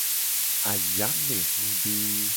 Ayamehude.